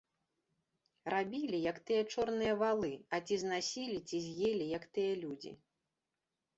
Рабілі, як тыя чорныя валы, а ці знасілі, ці з'елі, як тыя людзі.